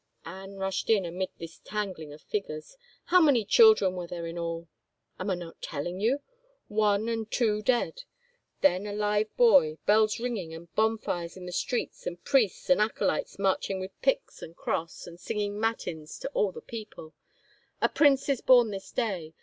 Anne rushed in amid this tangling of figures. " How many children were there in all ?"" Am I not telling you ? One and two dead, and then a live boy — bells ringing and bonfires in the streets and priests and acolytes marching with pyx and cross and singing matins to all the people :' A prince is bom this day!